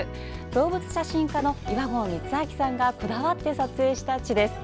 動物写真家の岩合光昭さんがこだわって撮影した地です。